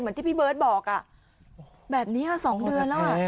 เหมือนที่พี่เบิ๊ตบอกอะแบบนี้สองเดือนแล้วอะ